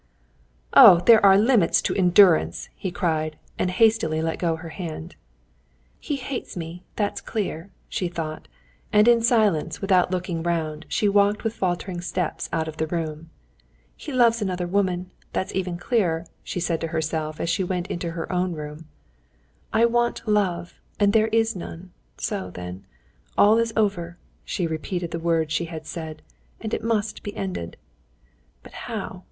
"Oh, there are limits to endurance!" he cried, and hastily let go her hand. "He hates me, that's clear," she thought, and in silence, without looking round, she walked with faltering steps out of the room. "He loves another woman, that's even clearer," she said to herself as she went into her own room. "I want love, and there is none. So, then, all is over." She repeated the words she had said, "and it must be ended." "But how?"